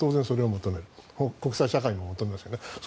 国際社会も求めますよね。